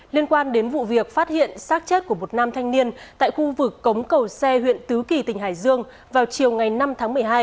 liên quan đến vụ việc phát hiện sát chết của một nam thanh niên tại khu vực cống cầu xe huyện tứ kỳ tỉnh hải dương vào chiều ngày năm tháng một mươi hai